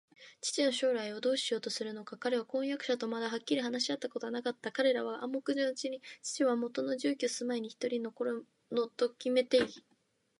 父の将来をどうしようとするのか、彼は婚約者とまだはっきり話し合ったことはなかった。彼らは暗黙のうちに、父はもとの住居すまいにひとり残るものときめていた